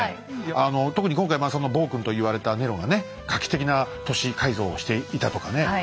あの特に今回まあその暴君と言われたネロがね画期的な都市改造をしていたとかね